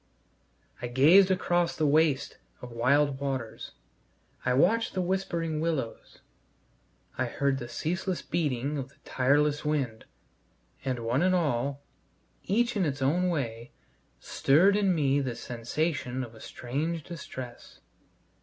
I gazed across the waste of wild waters; I watched the whispering willows; I heard the ceaseless beating of the tireless wind; and, one and all, each in its own way, stirred in me this sensation of a strange distress.